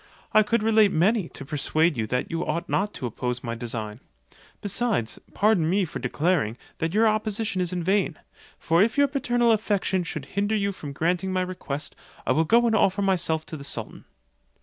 I could relate many, to persuade you that you ought not to oppose my design. Besides, pardon me for declaring, that your opposition is vain; for if your paternal affection should hinder you from granting my request, I will go and offer myself to the sultan."